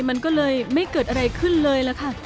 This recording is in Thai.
มันก็เลยไม่เกิดอะไรขึ้นเลยล่ะค่ะ